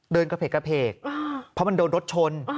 เดินกระเพกกระเพกเพราะมันโดนรถชน